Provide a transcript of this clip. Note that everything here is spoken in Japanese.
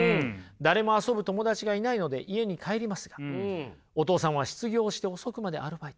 誰も遊ぶ友達がいないので家に帰りますがお父さんは失業して遅くまでアルバイト。